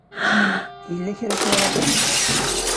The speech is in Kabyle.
Yella kra i k-iruḥen?